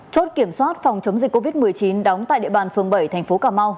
chốt kiểm soát phòng chống dịch covid một mươi chín đóng tại địa bàn phường bảy thành phố cà mau